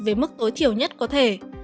về mức tối thiểu nhất có thể